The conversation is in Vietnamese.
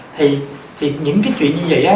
thì những cái chuyện như vậy á